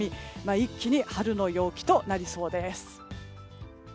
一気に春の陽気となりそうです。